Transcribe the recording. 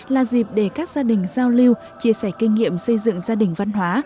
là dịp để các gia đình giao lưu chia sẻ kinh nghiệm xây dựng gia đình văn hóa